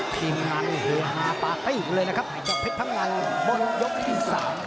พี่มันเหลือหาปากได้อยู่เลยนะครับกับเพชรพังงานบนยกที่๓